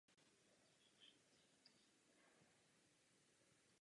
Směrnice o službách je dobrým příkladem.